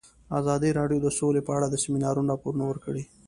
ازادي راډیو د سوله په اړه د سیمینارونو راپورونه ورکړي.